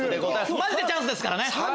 マジでチャンスですからね。